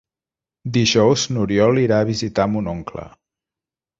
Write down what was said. Dijous n'Oriol irà a visitar mon oncle.